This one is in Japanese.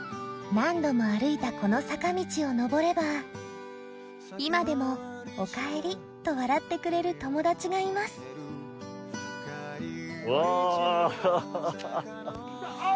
何度も歩いたこの坂道を登れば今でも「おかえり」と笑ってくれる友達がいますわぁ！